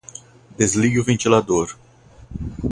Desligue o ventilador